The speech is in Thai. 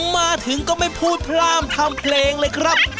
มาถึงก็ไม่พูดพร่ามทำเพลงเลยครับ